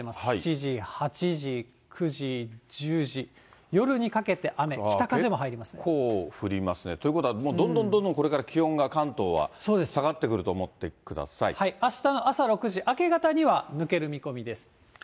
７時、８時、９時、１０時、夜にかけて雨、結構降りますね。ということは、もうどんどんどんどんこれから気温は、関東は下がってくると思っあしたの朝６時、明け方には抜ける見込みです。